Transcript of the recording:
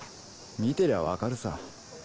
見てりゃ分かるさ。